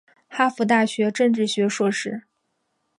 哈佛大学政治学硕士。